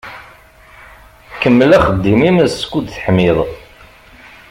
Kemmel axeddim-im skud teḥmiḍ.